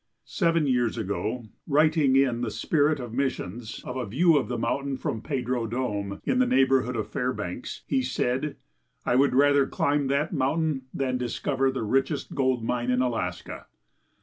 Seven years ago, writing in The Spirit of Missions of a view of the mountain from the Pedro Dome, in the neighborhood of Fairbanks, he said: "I would rather climb that mountain than discover the richest gold mine in Alaska."